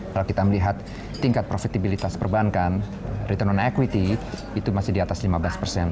kalau kita melihat tingkat profitabilitas perbankan return on equity itu masih di atas lima belas persen